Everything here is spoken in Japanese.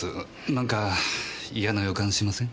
なんか嫌な予感しません？